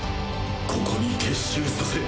ここに結集させ！